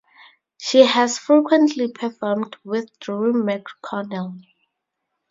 She has frequently performed with Drew McConnell.